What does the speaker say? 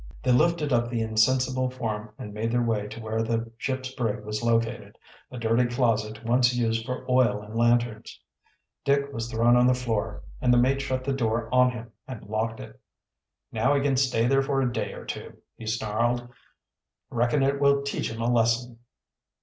They lifted up the insensible form and made their way to where the ship's brig was located, a dirty closet once used for oil and lanterns. Dick was thrown on the floor, and the mate shut the door on him and locked it. "Now he can stay there for a day or two," he snarled. "Reckon it will teach him a lesson."